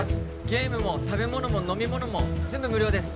ゲームも食べ物も飲み物も全部無料です